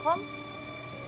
pokoknya gue di luar